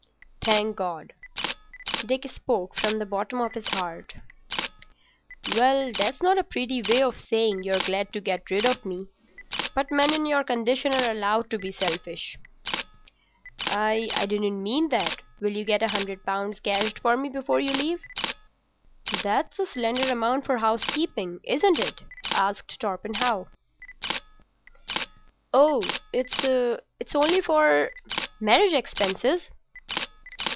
"Thank God." Dick spoke from the bottom of his heart. "Well, that's not a pretty way of saying you're glad to get rid of me. But men in your condition are allowed to be selfish." "I didn't mean that. Will you get a hundred pounds cashed for me before you leave?" "That's a slender amount for housekeeping, isn't it?" "Oh, it's only for—marriage expenses."